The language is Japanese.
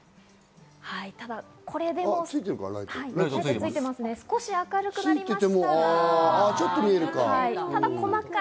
これでも少し明るくなりましたか？